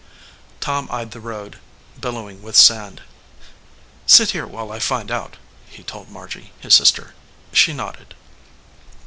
Tom ey^d the road billowing with sand. "Sit here while I find out," he told Margy, his sister. She nodded.